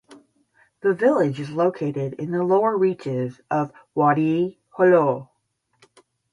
The village is located in the lower reaches of the Wadi Helo.